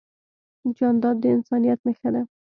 جانداد د انسانیت نښه ده.